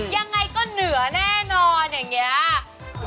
ยังไงก็เหนือแน่นอนอย่างนี้